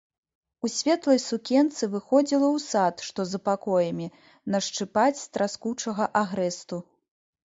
У светлай сукенцы выходзіла ў сад, што за пакоямі, нашчыпаць траскучага агрэсту.